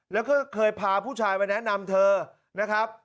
แล้วก็เคยพาผู้ชายมาแนะนำเธอนะครับ